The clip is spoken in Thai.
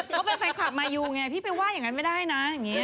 เขาเป็นไฟคลับไงอยู่ไงพี่ไปว่าอย่างนั้นไม่ได้นะ